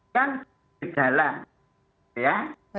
kan di dalam ya